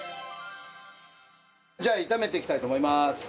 じゃあ炒めていきたいと思います。